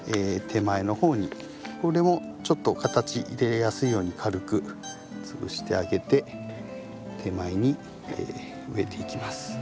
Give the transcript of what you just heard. これもちょっと形入れやすいように軽く潰してあげて手前に植えていきます。